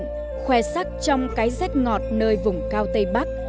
như hoa đào hoa mận khoe sắc trong cái rét ngọt nơi vùng cao tây bắc